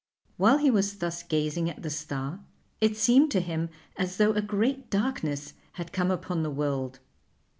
While he was thus gazing at the star it seemed to him as though a great darkness had come upon the world.